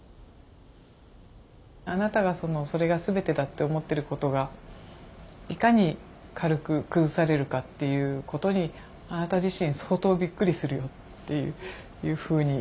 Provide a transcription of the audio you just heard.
あなたがそれが全てだって思ってることがいかに軽く崩されるかっていうことにあなた自身相当びっくりするよっていうふうに。